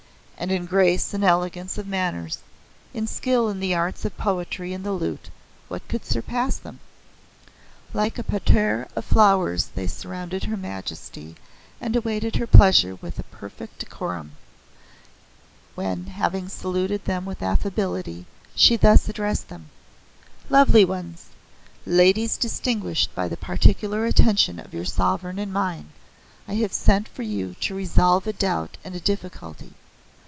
And in grace and elegance of manners, in skill in the arts of poetry and the lute, what could surpass them? Like a parterre of flowers they surrounded her Majesty, and awaited her pleasure with perfect decorum, when, having saluted them with affability she thus addressed them "Lovely ones ladies distinguished by the particular attention of your sovereign and mine, I have sent for you to resolve a doubt and a difficulty.